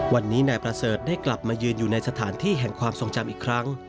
วันนี้นายประเสริฐได้กลับมายืนอยู่ในสถานที่แห่งความทรงจำอีกครั้ง